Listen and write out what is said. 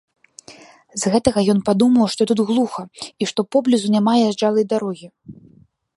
З гэтага ён падумаў, што тут глуха і што поблізу няма тут язджалай дарогі.